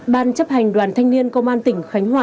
ban chấp hành đoàn thanh niên công an tỉnh khánh hòa